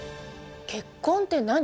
結婚って何？